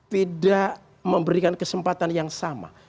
tidak memberikan kesempatan yang sama